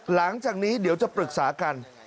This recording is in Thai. หลังจากนี้เดี๋ยวจะปรึกษากัน